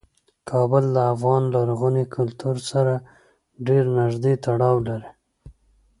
کابل د افغان لرغوني کلتور سره ډیر نږدې تړاو لري.